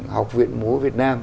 học viện múa việt nam